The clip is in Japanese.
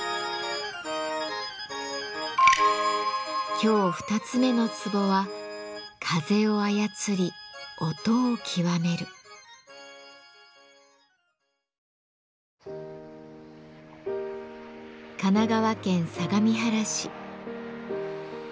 今日二つ目のツボは神奈川県相模原市。